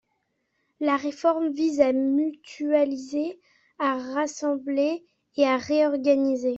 La réforme vise à mutualiser, à rassembler et à réorganiser.